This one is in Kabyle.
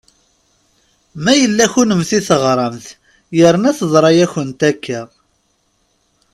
Ma yella kunemti teɣramt yerna teḍra-yawent akka.